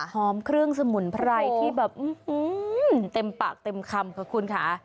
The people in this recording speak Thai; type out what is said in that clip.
เครื่องสมุนไพรที่แบบเต็มปากเต็มคำขอบคุณค่ะ